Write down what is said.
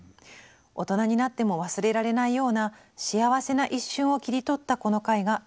大人になっても忘れられないような幸せな一瞬を切り取ったこの回が一番好きです」とのことです。